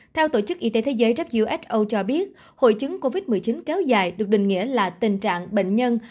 theo tổ chức y tế thế giới who cho biết hội chứng covid một mươi chín kéo dài được định nghĩa là tình trạng bệnh nhân